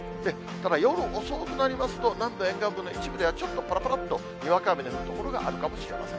ただ、夜遅くなりますと、南部沿岸部の一部では、ちょっとぱらぱらっとにわか雨の降る所があるかもしれません。